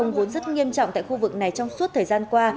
vốn rất nghiêm trọng tại khu vực này trong suốt thời gian qua